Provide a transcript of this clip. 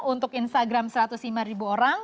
untuk instagram satu ratus lima ribu orang